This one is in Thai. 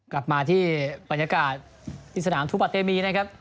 กลับมาที่บรรยากาศศนามทุบัตเตมีนะครับ